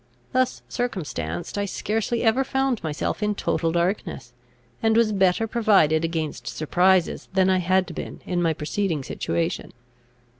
Thus circumstanced, I scarcely ever found myself in total darkness, and was better provided against surprises than I had been in my preceding situation.